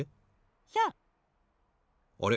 ひゃあ！あれ？